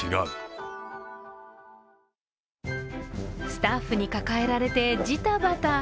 スタッフに抱えられてジタバタ。